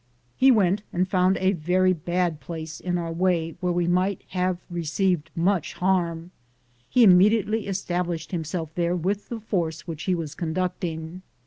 He went, and found a very bad place in our way where we might have received much harm. He immediately established himself there with the force which he was conduct ing.